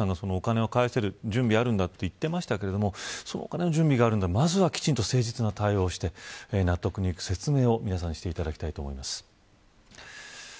お父さんが、お金を返せる準備があるんだと言っていましたがそのお金の準備があるならまずは、きちんと誠実な対応をして納得のいく説明をしていただきたいと思います。